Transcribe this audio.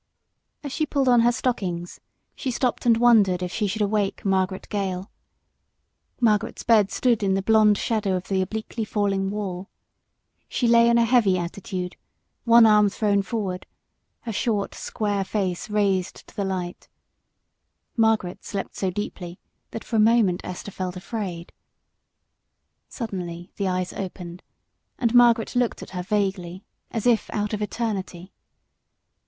As she pulled on her stockings she stopped and wondered if she should awake Margaret Gale. Margaret's bed stood in the shadow of the obliquely falling wall; and she lay heavily, one arm thrown forward, her short, square face raised to the light. She slept so deeply that for a moment Esther felt afraid. Suddenly the eyes opened, and Margaret looked at her vaguely, as if out of eternity.